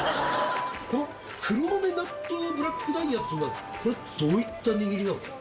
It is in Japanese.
この黒豆納豆ブラックダイヤっていうのはこれどういった握りなんですか？